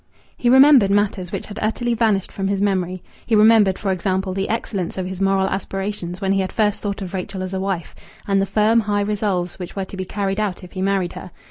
He remembered matters which had utterly vanished from his memory. He remembered, for example, the excellence of his moral aspirations when he had first thought of Rachel as a wife, and the firm, high resolves which were to be carried out if he married her.